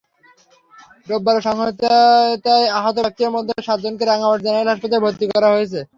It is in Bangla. রোববারের সহিংসতায় আহত ব্যক্তিদের মধ্যে সাতজনকে রাঙামাটি জেনারেল হাসপাতালে ভর্তি করা হয়েছে।